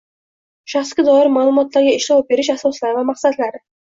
shaxsga doir ma’lumotlarga ishlov berish asoslari va maqsadlari;